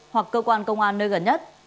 hoặc cơ quan công an nơi gần nhất